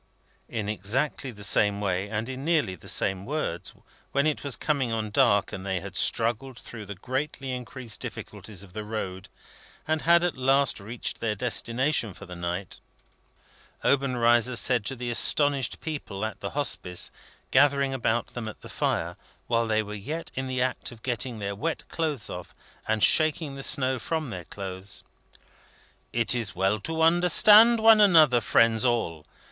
In exactly the same way, and in nearly the same words, when it was coming on dark and they had struggled through the greatly increased difficulties of the road, and had at last reached their destination for the night, Obenreizer said to the astonished people of the Hospice, gathering about them at the fire, while they were yet in the act of getting their wet shoes off, and shaking the snow from their clothes: "It is well to understand one another, friends all.